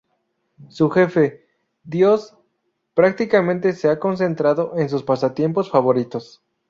Su jefe, Dios, prácticamente se ha concentrado en sus pasatiempos favoritos.